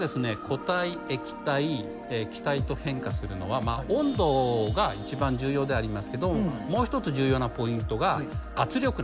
固体液体気体と変化するのは温度が一番重要ではありますけどもう一つ重要なポイントが圧力なんです。